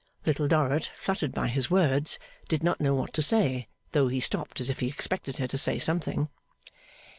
Little Dorrit, fluttered by his words, did not know what to say, though he stopped as if he expected her to say something.